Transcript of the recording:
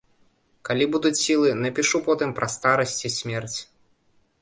Калі будуць сілы, напішу потым пра старасць і смерць.